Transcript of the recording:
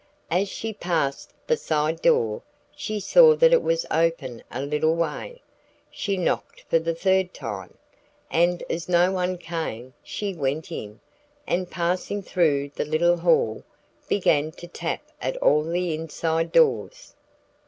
As she passed the side door she saw that it was open a little way. She knocked for the third time, and as no one came, she went in, and passing through the little hall, began to tap at all the inside doors.